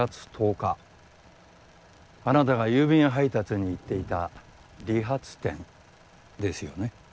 あなたが郵便配達に行っていた理髪店ですよね？